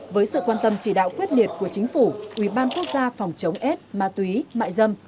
với sự quan tâm chỉ đạo quyết liệt của chính phủ ubnd quốc gia phòng chống ết ma túy mại dâm